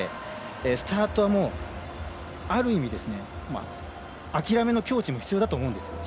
スタートはある意味諦めの境地も必要だと思うんです。